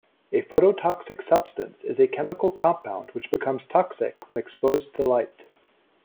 A phototoxic substance is a chemical compound which becomes toxic when exposed to light.